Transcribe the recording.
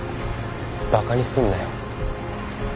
バカにすんなよ。